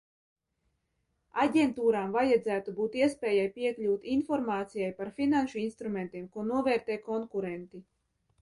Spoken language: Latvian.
Aģentūrām vajadzētu būt iespējai piekļūt informācijai par finanšu instrumentiem, ko novērtē konkurenti.